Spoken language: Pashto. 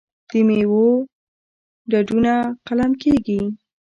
د میوو ډډونه قلم کیږي.